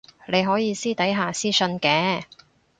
你可以私底下私訊嘅